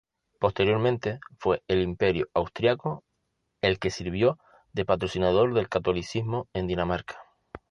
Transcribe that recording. Posteriormente, fue el Imperio austríaco el que sirvió de patrocinador del catolicismo en Dinamarca.